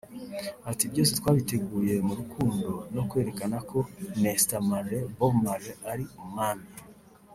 Ati “Byose twabiteguye mu rukundo no kwerekana ko Nesta Marley [Bob Marley] ari umwami